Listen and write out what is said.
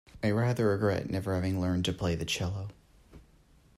I rather regret never having learned to play the cello.